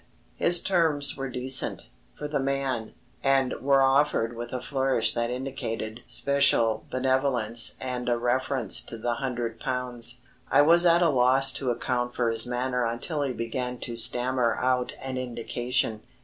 His terms were decent for the man, and were offered with a flourish that indicated special benevolence and a reference to the hundred pounds. I was at a loss to account for his manner until he began to stammer out an indication.